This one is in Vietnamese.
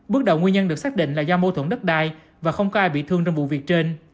bước đầu nguyên nhân được xác định là do mâu thuẫn đất đai và không có ai bị thương trong vụ việc trên